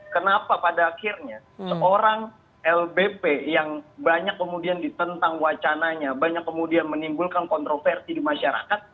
kenapa pada akhirnya seorang lbp yang banyak kemudian ditentang wacananya banyak kemudian menimbulkan kontroversi di masyarakat